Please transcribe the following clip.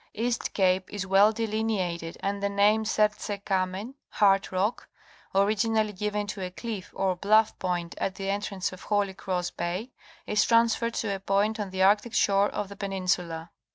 East Cape is well delineated, and the name Serdze Kamen (Heart Rock) originally given toa cliff or bluff point at the entrance of Holy Cross Bay is transferred to a point on the Arctic shore of the peninsula.